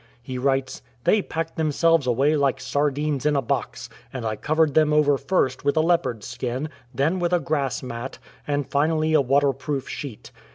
He writes, " They packed themselves away like sardines in a box, and I covered them over first with a leopard's skin, then with a grass mat, and finally a water proof sheet.